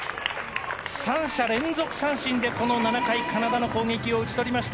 ３者連続三振で、この７回カナダの攻撃を打ち取りました。